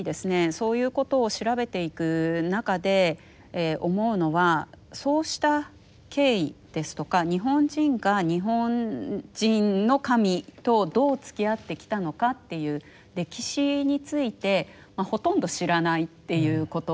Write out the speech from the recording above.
そういうことを調べていく中で思うのはそうした経緯ですとか日本人が日本人の神とどうつきあってきたのかっていう歴史についてほとんど知らないっていうことなんですね。